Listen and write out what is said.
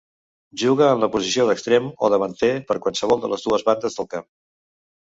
Juga en la posició d'extrem o davanter per qualsevol de les dues bandes del camp.